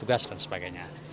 tugas dan sebagainya